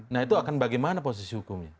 nah itu akan bagaimana posisi hukumnya